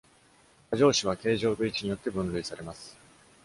過剰歯は、形状と位置によって分類されます。